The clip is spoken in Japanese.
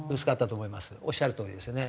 おっしゃるとおりですよね。